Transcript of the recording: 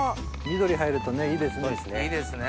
緑入るといいですね。